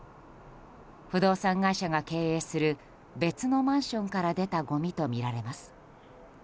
不動産会社が経営する別のマンションから出たごみとみられます。